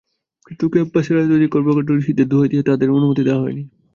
কিন্তু ক্যাম্পাসে রাজনৈতিক কর্মকাণ্ড নিষিদ্ধের দোহাই দিয়ে তাদের অনুমতি দেওয়া হয়নি।